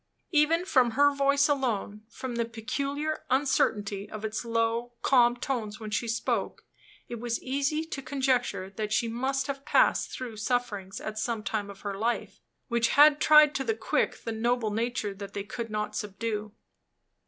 Even from her voice alone from the peculiar uncertainty of its low, calm tones when she spoke it was easy to conjecture that she must have passed through sufferings, at some time of her life, which had tried to the quick the noble nature that they could not subdue.